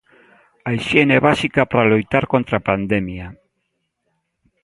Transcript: A hixiene é básica para loitar contra a pandemia.